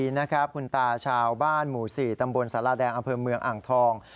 คุณตาชาวบ้านหมู่๔ตำบลสาราแดงอำเภอเมืองอ่างทอง